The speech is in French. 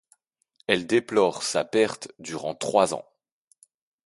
Elle déplore sa perte durant trois ans.